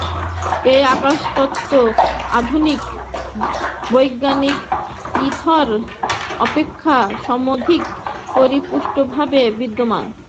এই আকাশতত্ত্ব আধুনিক বৈজ্ঞানিকের ইথর অপেক্ষা সমধিক পরিপুষ্টভাবে বিদ্যমান।